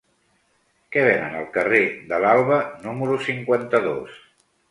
Què venen al carrer de l'Alba número cinquanta-dos?